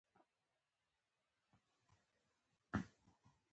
رودز تمه لرله چې د کانونو استخراج له لارې شتمنۍ ترلاسه کړي.